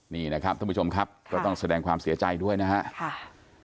นี่นะครับท่านผู้ชมครับก็ต้องแสดงความเสียใจด้วยนะครับ